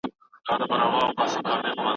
استاد باید یوازې لومړنۍ مسوده وګوري.